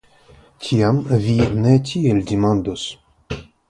Tiam vi ne tiel demandus?